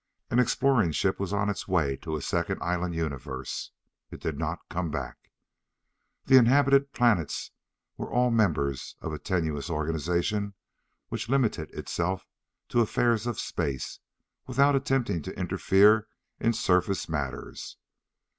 An exploring ship was on its way to a second island universe. (It did not come back.) The inhabited planets were all members of a tenuous organization which limited itself to affairs of space, without attempting to interfere in surface matters.